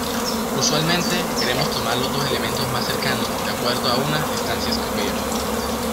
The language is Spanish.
Usualmente, queremos tomar los dos elementos más cercanos, de acuerdo a una distancia escogida.